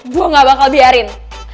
gue gak bakal biarin